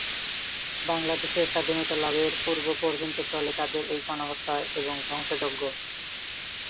বাংলাদেশের স্বাধীনতা লাভের পূর্ব পর্যন্ত চলে তাদের এই গণহত্যা এবং ধ্বংশজজ্ঞ।